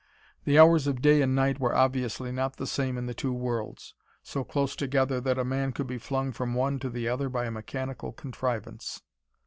The hours of day and night were obviously not the same in the two worlds, so close together that a man could be flung from one to the other by a mechanical contrivance.